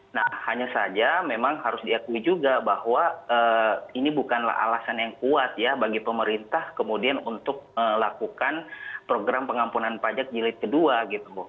nah hanya saja memang harus diakui juga bahwa ini bukanlah alasan yang kuat ya bagi pemerintah kemudian untuk melakukan program pengampunan pajak jilid kedua gitu